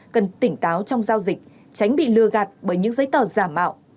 cần tỉnh táo trong giao dịch tránh bị lừa gạt bởi những giấy tờ giả mạo